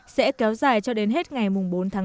sẽ kéo dài cho đến hết ngày mùng bốn tháng năm